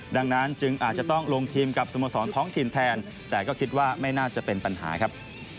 ดังนั้นจึงอาจจะต้องลงทีมกับสโมสรท้องถิ่นแทนแต่ก็คิดว่าไม่น่าจะเป็นปัญหาครับ